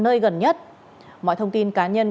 nơi gần nhất mọi thông tin cá nhân